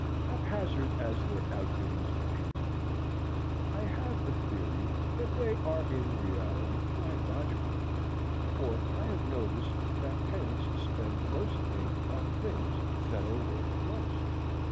Haphazard as their outgivings appear to be, I have a theory that they are in reality quite logical; for I have noticed that pens spend most ink on things that are worth most.